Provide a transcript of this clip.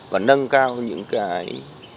và nâng cao những cái